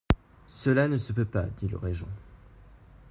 Cela ne se peut pas, dit le régent.